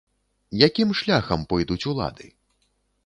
Якім шляхам пойдуць улады?